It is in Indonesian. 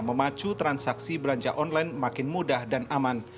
memacu transaksi belanja online makin mudah dan aman